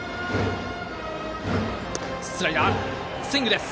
スライダー、スイング。